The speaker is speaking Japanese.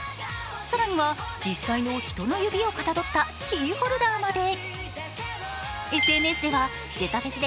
更には実際の人の指をかたどったキーホルダーまで。